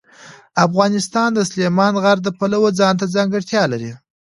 افغانستان د سلیمان غر د پلوه ځانته ځانګړتیا لري.